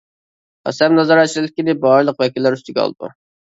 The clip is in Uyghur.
قەسەم نازارەتچىلىكىنى بارلىق ۋەكىللەر ئۈستىگە ئالىدۇ.